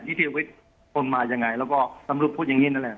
ชีวิตคนมายังไงแล้วก็ตำรวจพูดอย่างนี้นั่นแหละ